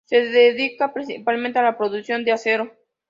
Se dedica principalmente a la producción de acero.